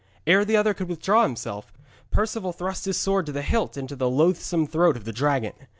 Ere the other could withdraw himself, Perceval thrust his sword to the hilt into the loathsome throat of the dragon.